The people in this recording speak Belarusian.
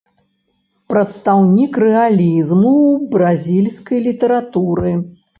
Прадстаўнік рэалізму ў бразільскай літаратуры.